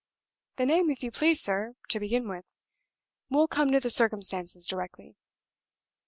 The name, if you please, sir, to begin with we'll come to the circumstances directly."